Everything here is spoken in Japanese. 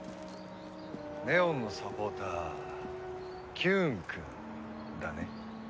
祢音のサポーターキューンくんだね？